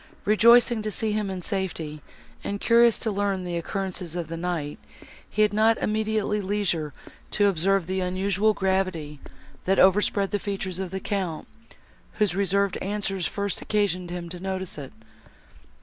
Rejoicing to see him in safety, and curious to learn the occurrences of the night, he had not immediately leisure to observe the unusual gravity, that overspread the features of the Count, whose reserved answers first occasioned him to notice it.